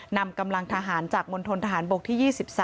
นำกำลังทหารจากมณฑนทหารบกที่๒๓